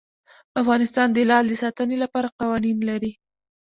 افغانستان د لعل د ساتنې لپاره قوانین لري.